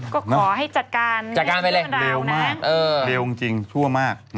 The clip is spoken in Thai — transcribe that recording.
ก็ขอให้จัดการให้มือเหมือนเรานะเร็วมากเร็วจริงชั่วมาก